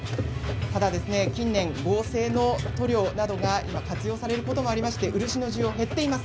ただ近年、合成の塗料などが今、活用されることがありまして漆の需要は減っています。